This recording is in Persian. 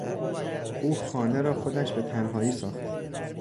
او خانه را خودش به تنهایی ساخت.